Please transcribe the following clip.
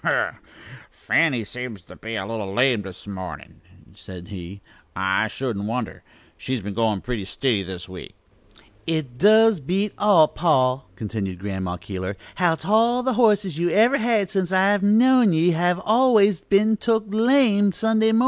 "A hem! a hem! 'Fanny' seems to be a little lame, this mornin'," said he. "I shouldn't wonder. She's been goin' pretty stiddy this week." "It does beat all, pa," continued Grandma Keeler, "how 't all the horses you've ever had since I've known ye have always been took lame Sunday mornin'.